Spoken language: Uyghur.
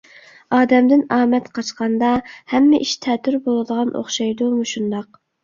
ئادەمدىن ئامەت قاچقاندا، ھەممە ئىش تەتۈر بولىدىغان ئوخشايدۇ مۇشۇنداق!